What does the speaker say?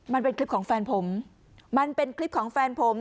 มันเป็นคลิปของแฟนผมมันเป็นคลิปของแฟนผม